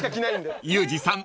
［ユージさん